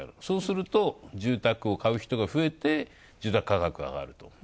そうすると、住宅を買う人が増えて、住宅価格が上がると。